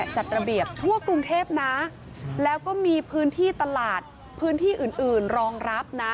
จัดระเบียบทั่วกรุงเทพนะแล้วก็มีพื้นที่ตลาดพื้นที่อื่นอื่นรองรับนะ